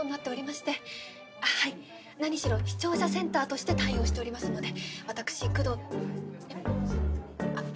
あっはい何しろ視聴者センターとして対応しておりますので私工藤。えっ？